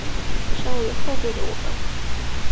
身为后辈的我们